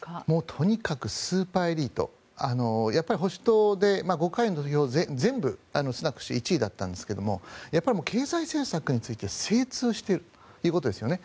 とにかくスーパーエリートやっぱり保守党で５回の投票で全部スナク氏は１位だったんですがやっぱり経済政策について精通しているということですね。